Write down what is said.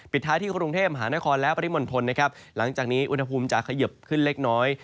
ปิดท้ายที่กรุงเทพฯหานครและปริมนธนหลังจากนี้อุณหภูมิจะขยบขึ้นเล็กน้อย